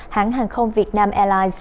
hãng hàng không việt nam airlines